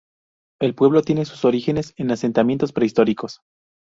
El pueblo tiene sus orígenes en asentamientos prehistóricos.